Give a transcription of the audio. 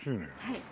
はい。